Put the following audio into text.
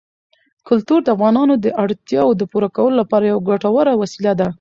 کلتور د افغانانو د اړتیاوو د پوره کولو لپاره یوه ګټوره وسیله ده.